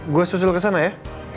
gue susul ke sana ya